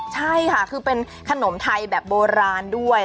ใช่ค่ะคือเป็นขนมไทยแบบโบราณด้วย